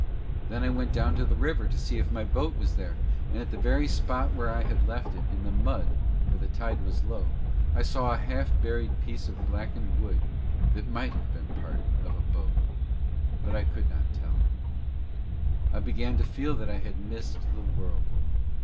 Then I went down to the river to see if my boat was there and at the very spot where I had left it, in the mud (for the tide was low) I saw a half buried piece of blackened wood that might have been part of a boat, but I could not tell. I began to feel that I had missed the world.